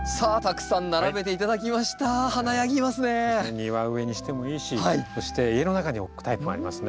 庭植えにしてもいいしそして家の中に置くタイプもありますね。